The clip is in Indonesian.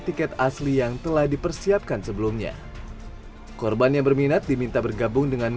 tiket asli yang telah dipersiapkan sebelumnya korban yang berminat diminta bergabung dengan